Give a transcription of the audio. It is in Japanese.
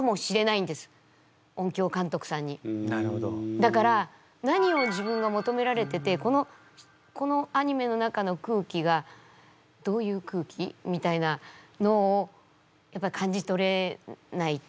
だから何を自分が求められててこのアニメの中の空気がどういう空気？みたいなのをやっぱ感じ取れないと。